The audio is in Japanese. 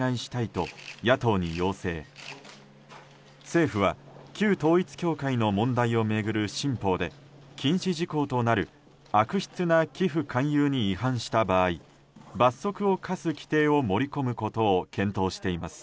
政府は旧統一教会の問題を巡る新法で禁止事項となる悪質な寄付勧誘に違反した場合罰則を科す規定を盛り込むことを検討しています。